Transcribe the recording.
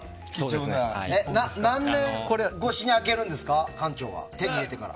何年越しに開けるんですか手に入れてから。